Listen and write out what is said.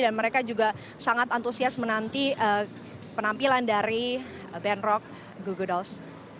dan mereka juga sangat antusias menanti penampilan dari band rock goo goo dolls